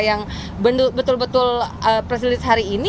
yang betul betul privilege hari ini